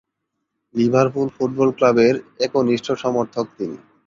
Liverpool football ক্লাবের একনিষ্ঠ সমর্থক তিনি।